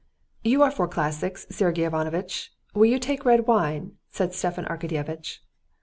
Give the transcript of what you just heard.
"You are for classics, Sergey Ivanovitch. Will you take red wine?" said Stepan Arkadyevitch.